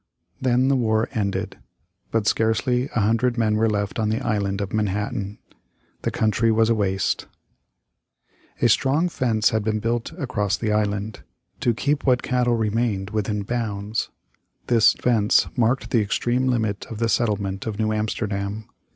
Then the war ended. But scarcely a hundred men were left on the Island of Manhattan. The country was a waste. A strong fence had been built across the island, to keep what cattle remained within bounds. This fence marked the extreme limit of the settlement of New Amsterdam.